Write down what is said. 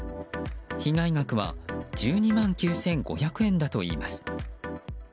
被害額は１２万９５００円だといいます。